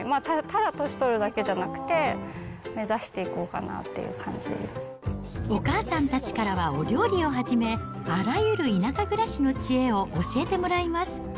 ただ年取るだけじゃなくて、目指お母さんたちからはお料理をはじめ、あらゆる田舎暮らしの知恵を教えてもらいます。